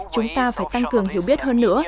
chúng ta phải tăng cường hiểu biết